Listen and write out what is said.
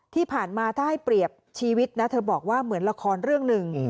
ที่ผ่านมาถ้าให้เปรียบชีวิตนะเธอบอกว่าเหมือนละครเรื่องหนึ่ง